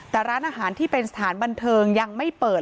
แต่ร้านอาหารที่เป็นสถานบันเทิงยังไม่เปิด